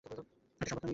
এটা সম্ভব না, মিমি।